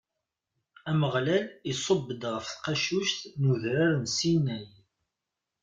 Ameɣlal iṣubb-d ɣef tqacuct n udrar n Sinay.